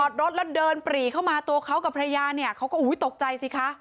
จอดรถแล้วเดินปรีเข้ามาตัวเขากับพระยาเขาก็ตกใจสิคะ